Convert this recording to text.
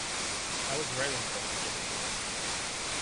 How is Raylan going to get into it?